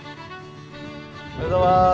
おはようございます。